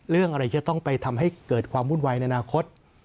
เรื่องอะไรจะต้องไปทำให้เกิดความวุ่นวายในอนาคต